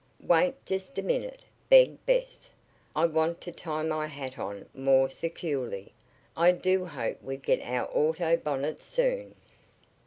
"Wait just a minute," begged Bess. "I want to tie my hat on more securely. I do hope we get our auto bonnets soon."